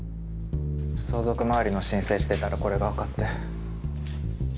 相続回りの申請してたらこれがわかって。